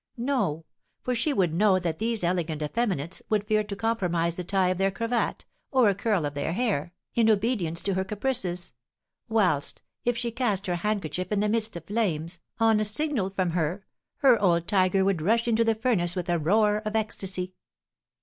No; for she would know that these elegant effeminates would fear to compromise the tie of their cravat, or a curl of their hair, in obedience to her caprices; whilst if she cast her handkerchief in the midst of flames, on a signal from her her old tiger would rush into the furnace with a roar of ecstasy."